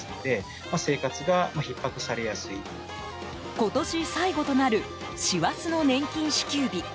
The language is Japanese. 今年最後となる師走の年金支給日。